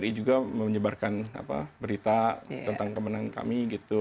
pdi juga menyebarkan berita tentang kemenangan kami gitu